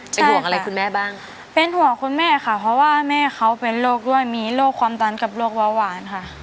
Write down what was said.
เป็นห่วงอะไรคุณแม่บ้างเป็นห่วงคุณแม่ค่ะเพราะว่าแม่เขาเป็นโรคด้วยมีโรคความดันกับโรคเบาหวานค่ะ